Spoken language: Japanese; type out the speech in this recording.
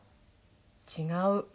違う。